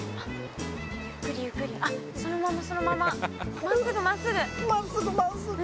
ゆっくりゆっくりあっそのままそのまま真っすぐ真っすぐ。